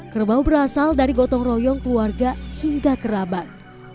kerbau berasal dari gotong royong keluarga hingga kerabat